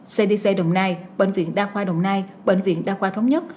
cdc đồng nai bệnh viện đa khoa đồng nai bệnh viện đa khoa thống nhất